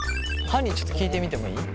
はにちょっと聞いてみてもいい？